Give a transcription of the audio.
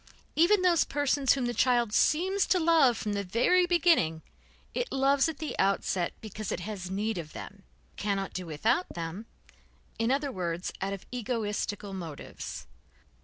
Even those persons whom the child seems to love from the very beginning, it loves at the outset because it has need of them, cannot do without them, in others words, out of egoistical motives.